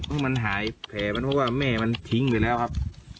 เพราะมันหายแผลมันเพราะแม่ถึงไปแล้วครับ